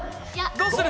どうする？